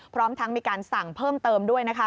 พร้อมทั้งมีการสั่งเพิ่มเติมด้วยนะคะ